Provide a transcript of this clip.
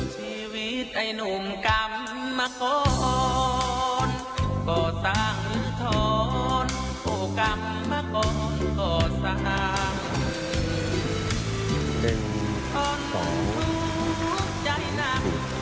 ชีวิตไอ้หนุ่มกำมากก้อนก็สั่งท้อนโอ้กำมากก้อนก็สั่ง